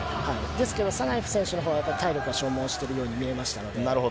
ですけど、サナエフ選手のほうが体力が消耗してるように見えましたので。